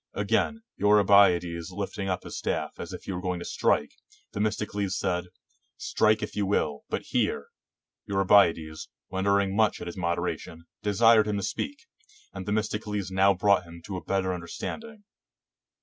Again, Eurybiades lifting up his staff as if he were going to strike, Themis tocles said, "Strike if you will, but hear"; Eurybiades, wondering much at his moderation, desired him to speak, and Themistocles now brought him to a better under standing.